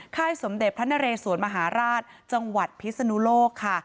ค่ายสมเด็จพระนเรสวนมหาราชจังหวัดพิศนุโลกค่ะ